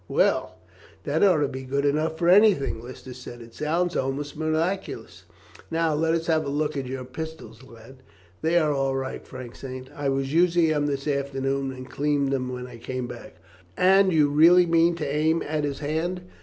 Well, that ought to be good enough for anything," Lister said. "It sounds almost miraculous. Now, let us have a look at your pistols, lad." "They are all right," Frank said. "I was using them this afternoon, and cleaned them when I came back." "And you really mean to aim at his hand?"